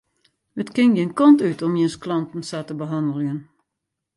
It kin gjin kant út om jins klanten sa te behanneljen.